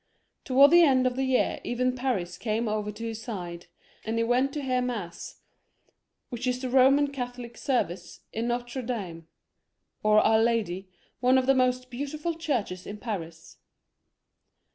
To wards the end of the year even Paris came over to his side ; and he went to hear mass, which is the Boman Catholic service, in Notre Dame, or Our Lady, one of the most beautiful churches in Paris.